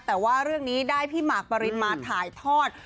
แต่ว่าเรื่องนี้ได้พี่หมากปรินมาถ่ายทอด